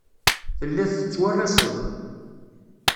Telliḍ tettwalaseḍ.